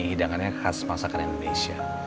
hidangannya khas masakan indonesia